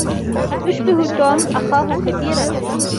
يشبه توم أخاه كثيرا.